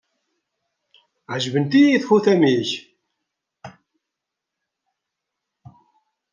Ɛejbent-iyi txutam-nnek.